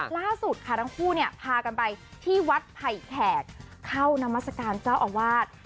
ล่าสุดทั้งคู่พากันไปที่วัดไผแขกเข้านามศการเจ้าอวาด